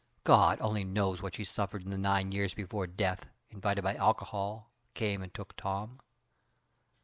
God only knows what she suffered in the nine years before death, invited by alcohol, came and took Tom.